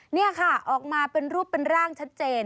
นี่ค่ะออกมาเป็นรูปเป็นร่างชัดเจน